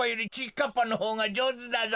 かっぱのほうがじょうずだぞ。